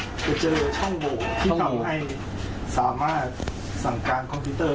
คือเจอช่องบวกที่ทำให้สามารถสั่งการคอมพิวเตอร์